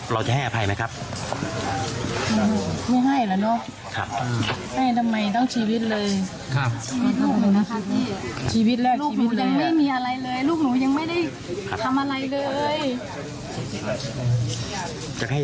เขามาทำกับลูกหนูแบบนี้ทำไม